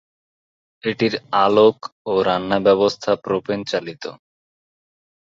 এটির আলোক ও রান্না ব্যবস্থা প্রোপেন চালিত।